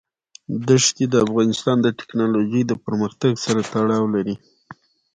دښتې د افغانستان د تکنالوژۍ د پرمختګ سره تړاو لري.